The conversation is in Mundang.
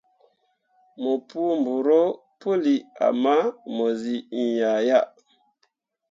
Mo pu dorõo puli ama mo zii iŋya yah.